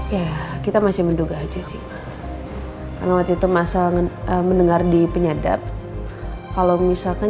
ya kita masih menduga aja sih karena waktu itu masa mendengar di penyadap kalau misalkan